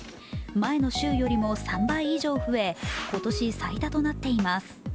前の週よりも３倍以上増え、今年最多となっています。